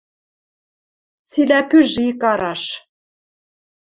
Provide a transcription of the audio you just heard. Цилӓ пӱжӹ икараш